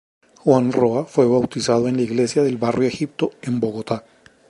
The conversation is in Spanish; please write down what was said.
Juan Roa fue bautizado en la iglesia del Barrio Egipto, en Bogotá.